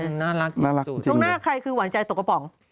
ตรงหน้าใครว่าใครคือหวานใจตกดกระป๋อง